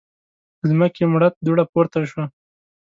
له ځمکې مړه دوړه پورته شوه.